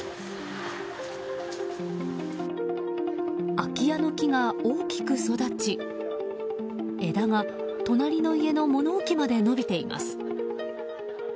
空き家の木が大きく育ち枝が隣の家の物置まで伸びています。